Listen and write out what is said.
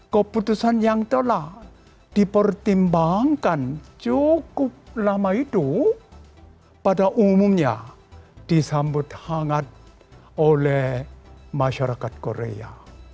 keputusan yang telah dipertimbangkan cukup lama itu pada umumnya disambut hangat oleh masyarakat korea